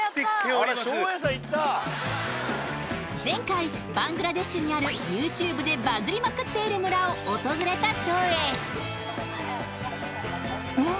前回バングラデシュにあるＹｏｕＴｕｂｅでバズりまくっている村を訪れた照英うわ